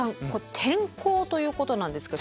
天候ということなんですけど。